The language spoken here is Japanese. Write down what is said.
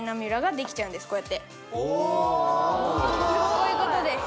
こういう事です。